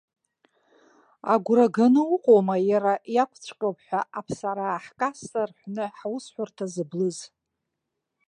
Агәра ганы уҟоума иара иакәҵәҟьоуп ҳәа аԥсараа ҳкасса рҳәны ҳусҳәарҭа зыблыз?